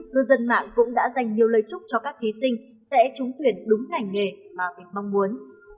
cư dân mạng cũng đã dành nhiều lời chúc cho các thí sinh sẽ trúng tuyển đúng ngành nghề mà mình mong muốn